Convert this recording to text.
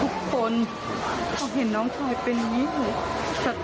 ทุกคนเพราะเห็นน้องชายเป็นอย่างนี้สตันเลยดีกว่าสิ